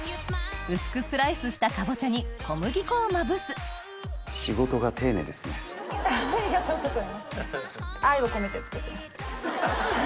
薄くスライスしたかぼちゃに小麦粉をまぶす作ってます。